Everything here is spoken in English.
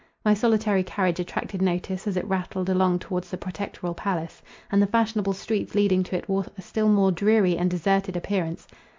My solitary carriage attracted notice, as it rattled along towards the Protectoral Palace—and the fashionable streets leading to it wore a still more dreary and deserted appearance.